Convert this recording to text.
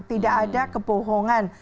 tidak ada kebohongan